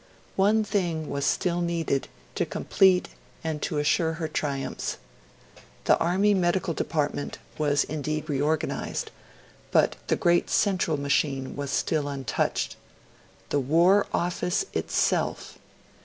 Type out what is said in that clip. One thing was still needed to complete and to assure her triumphs. The Army Medical Department was indeed reorganised; but the great central machine was still untouched. The War Office itself